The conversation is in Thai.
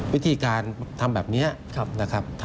วิธีการทำแบบนี้นะครับ